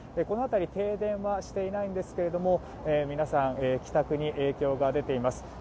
この辺り停電はしていないんですが皆さん帰宅に影響が出ています。